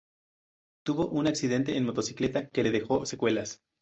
Tuvo un accidente en motocicleta que le dejó secuelas.